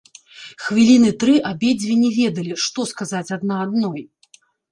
Хвіліны тры абедзве не ведалі, што сказаць адна адной.